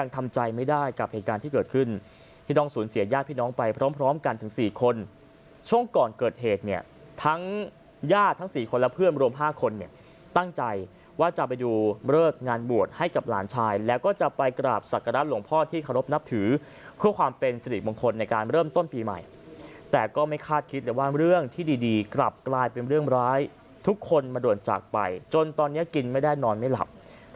กราชกรุมแพทย์ต้องเล่นแล้วว่าชีวิตเปิดเผยว่ายังท้ำใจไม่ได้กับ